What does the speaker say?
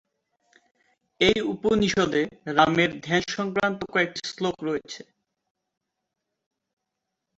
এই উপনিষদে রামের ধ্যান সংক্রান্ত কয়েকটি শ্লোক রয়েছে।